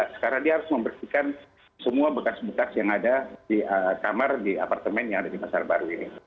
sekarang dia harus membersihkan semua bekas bekas yang ada di kamar di apartemen yang ada di pasar baru ini